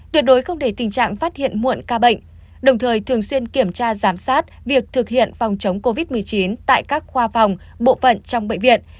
tuyệt đối không để tình trạng phát hiện muộn ca bệnh đồng thời thường xuyên kiểm tra giám sát việc thực hiện phòng chống covid một mươi chín tại các khoa phòng bộ phận trong bệnh viện